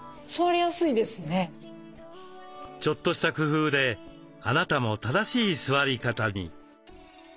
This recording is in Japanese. ちょっとした工夫であなたも正しい座り方に。